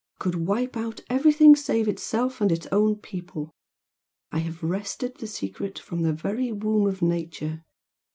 could wipe out everything save itself and its own people! I have wrested the secret from the very womb of Nature!